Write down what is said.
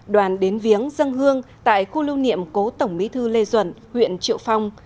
đoàn đến viếng dân hương tại khu lưu niệm cố tổng bí thư lê duẩn huyện triệu phong